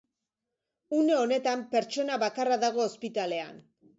Une honetan pertsona bakarra dago ospitalean.